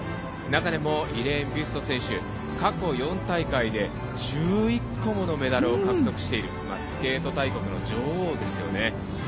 中でもイレーン・ビュスト選手は過去４大会で１１個ものメダルを獲得しているスケート大国の女王ですよね。